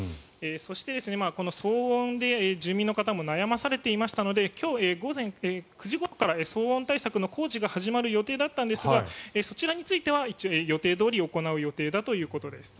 そして、この騒音で住民の方も悩まされていましたので今日午前９時ごろから騒音対策の工事が始まる予定だったんですがそちらについては、予定どおり行う予定だということです。